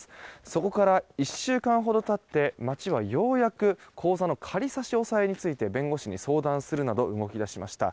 そこから１週間ほど経って町はようやく口座の仮差し押さえについて弁護士に相談するなど動き出しました。